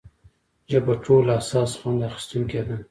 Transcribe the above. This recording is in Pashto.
ژبه ټولو حساس خوند اخیستونکې ده.